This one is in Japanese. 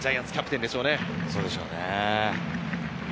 そうでしょうね。